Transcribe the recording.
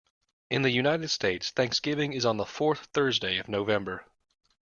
In the United States, Thanksgiving is on the fourth Thursday of November.